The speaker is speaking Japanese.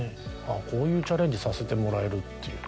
「こういうチャレンジさせてもらえる」っていうね。